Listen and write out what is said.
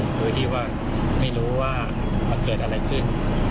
ก็ภูมิเลยโดยที่ว่าไม่รู้ว่าเกิดอะไรขึ้น